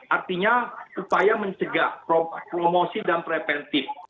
artinya upaya mencegah promosi dan preventif